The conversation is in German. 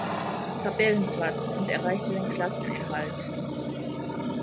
Tabellenplatz und erreichte den Klassenerhalt.